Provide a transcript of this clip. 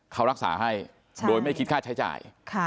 เขารักษาให้โดยไม่คิดค่าใช้จ่าย